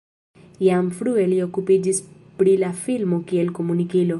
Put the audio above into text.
Jam frue li okupiĝis pri la filmo kiel komunikilo.